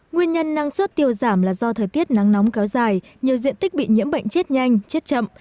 nguyên nhân năng suất tiêu giảm là do thời tiết nắng nóng kéo dài nhiều diện tích bị nhiễm bệnh chết nhanh chết chậm